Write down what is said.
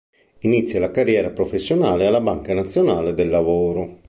Inizia la carriera professionale alla Banca Nazionale del Lavoro.